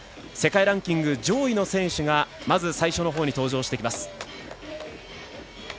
世界ランキング上位の選手がまず最初のほうに登場します。